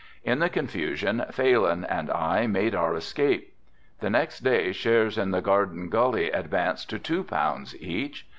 In the confusion Phalin and I made our escape. The next day shares in the Garden Gully advanced to two pounds each.